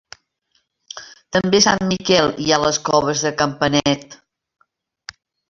També a Sant Miquel hi ha les Coves de Campanet.